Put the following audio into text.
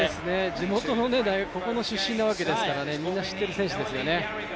地元の大学、ここの出身なわけですからみんな知ってるわけですよね。